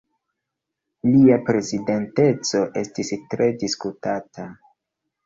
Lia prezidenteco estis tre diskutata.